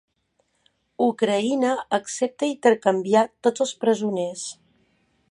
Ucraïna accepta intercanviar tots els presoners